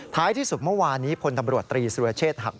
ที่สุดเมื่อวานนี้พลตำรวจตรีสุรเชษฐหัก